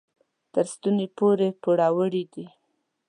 تر ستوني پورې پوروړي دي.